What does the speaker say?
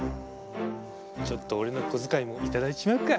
ちょっと俺の小遣いも頂いちまうか。